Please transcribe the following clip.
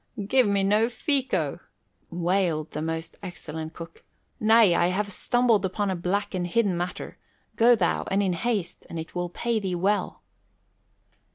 "Give me no fico," wailed the most excellent cook. "Nay, I have stumbled upon a black and hidden matter. Go thou, and in haste, and it will pay thee well."